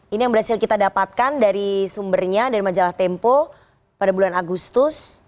ini yang berhasil kita dapatkan dari sumbernya dari majalah tempo pada bulan agustus